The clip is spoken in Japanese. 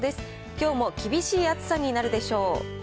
きょうも厳しい暑さになるでしょう。